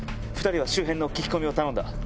２人は周辺の聞き込みを頼んだ。